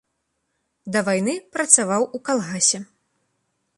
Да вайны працаваў у калгасе.